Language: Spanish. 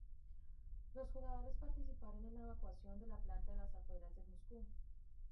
Los jugadores participaron en la evacuación de la planta de las afueras de Moscú.